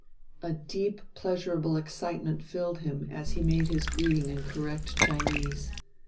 A deep pleasurable excitement filled him as he made his greeting in correct Chinese.